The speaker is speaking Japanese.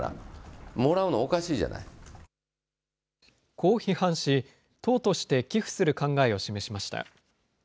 こう批判し、党として寄付する考えを示しました。